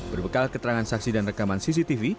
berbekal keterangan saksi dan rekaman cctv